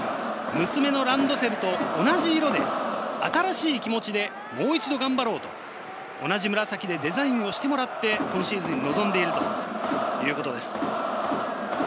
娘のランドセルと同じ色で新しい気持ちでもう一度頑張ろうと、同じ紫でデザインをしてもらって今シーズンに臨んでいるということです。